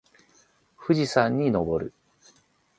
富士山にのぼる。